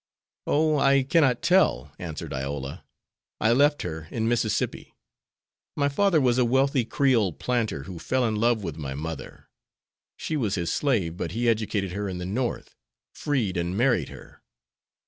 "Oh, I cannot tell," answered Iola. "I left her in Mississippi. My father was a wealthy Creole planter, who fell in love with my mother. She was his slave, but he educated her in the North, freed, and married her.